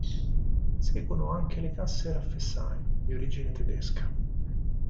Seguono anche le Casse Raiffeisen, di origine tedesca.